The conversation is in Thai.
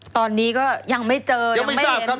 ตอนนี้ก็ยังไม่เจอยังไม่เห็น